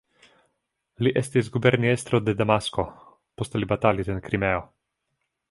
Li estis guberniestro de Damasko, poste li batalis en Krimeo.